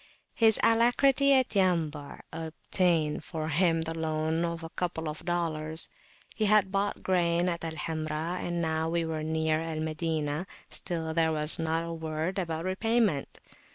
His alacrity at Yambu' obtained for him the loan of a couple of dollars: he had bought grain at Al Hamra, and now we were near Al Madinah: still there was not a word about repayment.